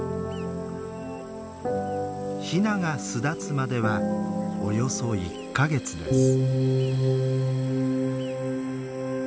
ヒナが巣立つまではおよそ１か月です。